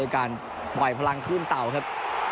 การปล่อยพลังคลื่นเต่าครับ